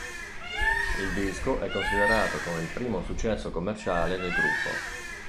Il disco è considerato come il primo successo commerciale del gruppo.